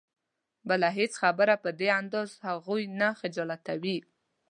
بله هېڅ خبره په دې اندازه هغوی نه خجالتوي.